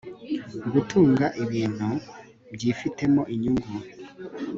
gutunga ibintu byifitemo inyungu